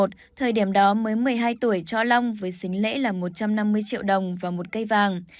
thời điểm đó mới một mươi hai tuổi cho long với xính lễ là một trăm năm mươi triệu đồng và một cây vàng